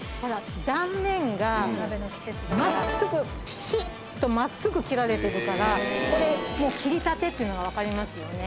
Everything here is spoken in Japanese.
ぴしっと真っすぐ切られてるからこれ切りたてっていうのが分かりますよね。